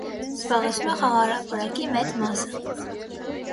Զբաղեցնում է խաղահրապարակի մեծ մասը։